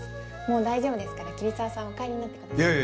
もう大丈夫ですから桐沢さんはお帰りになってください。